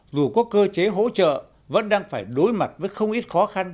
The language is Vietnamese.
dù có cơ chế hỗ trợ vẫn đang phải đối mặt với không ít khó khăn